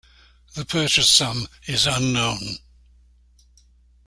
The purchase sum is unknown.